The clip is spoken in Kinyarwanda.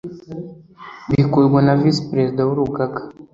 Bikorwa na visi perezida w urugaga